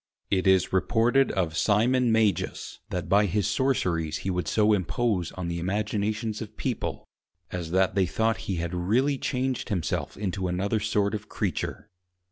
It is reported of Simon Magus, that by his Sorceries he would so impose on the Imaginations of People, as that they thought he had really changed himself into another sort of Creature.